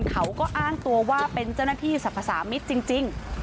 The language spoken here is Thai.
เขาก็อ้างตัวว่าเป็นเจ้าหน้าที่สรรพสามิตรจริง